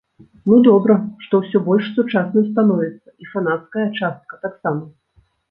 Ну добра, што ўсё больш сучасным становіцца, і фанацкая частка таксама.